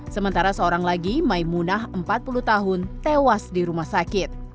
sementara seorang lagi maimunah empat puluh tahun tewas di rumah sakit